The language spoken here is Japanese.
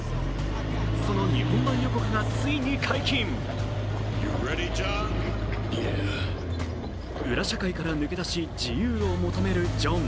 その日本版予告がついに解禁裏社会から抜け出し、自由を求めるジョン。